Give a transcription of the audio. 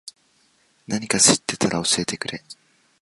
なにか知ってたら教えてくれ。